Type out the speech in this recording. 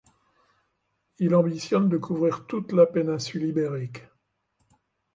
Il ambitionne de couvrir toute la péninsule ibérique.